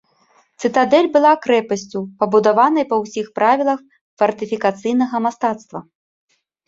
Цытадэль была крэпасцю, пабудаванай па ўсіх правілах фартыфікацыйнага мастацтва.